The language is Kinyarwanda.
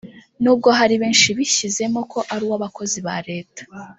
n’ubwo hari benshi bishyizemo ko ari uw’abakozi ba Leta